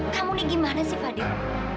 kamu nih gimana sih fadil